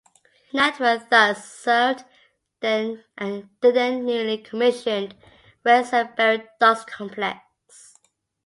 This network thus served the then newly commissioned, rail-served Barry Docks complex.